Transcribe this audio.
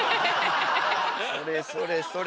それそれそれ！